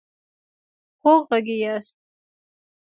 خوږغږي ياست